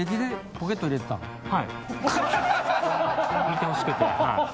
見てほしくて。